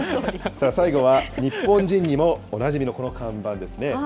最後は、日本人にもおなじみのこの看板ですね。